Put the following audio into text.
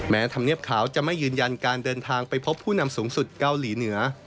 ธรรมเนียบขาวจะไม่ยืนยันการเดินทางไปพบผู้นำสูงสุดเกาหลีเหนือ